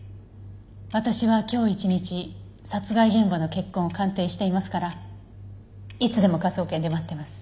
私は今日一日殺害現場の血痕を鑑定していますからいつでも科捜研で待ってます。